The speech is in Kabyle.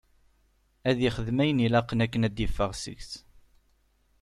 Ad ixdem ayen ilaqen akken ad d-yeffeɣ seg-s.